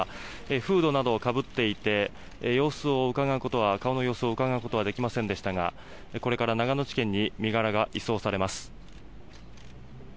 フードなどをかぶっていて顔の様子をうかがうことはできませんでしたがこれから長野地検に身柄が移送されます。